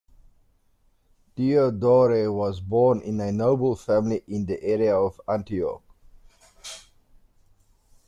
Diodore was born into a noble family in the area of Antioch.